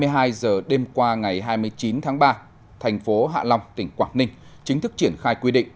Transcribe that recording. hai mươi hai giờ đêm qua ngày hai mươi chín tháng ba thành phố hạ long tỉnh quảng ninh chính thức triển khai quy định